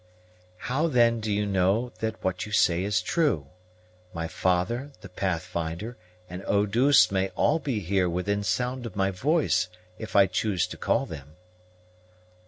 "How then do you know that what you say is true? My father, the Pathfinder, and Eau douce may all be here within sound of my voice, if I choose to call them."